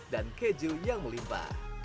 dan keju yang melimpa